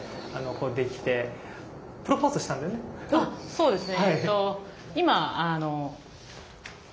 そうですね。